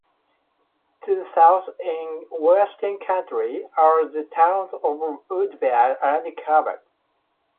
To the south, in Washington County, are the towns of Woodbury and Cabot.